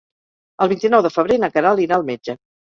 El vint-i-nou de febrer na Queralt irà al metge.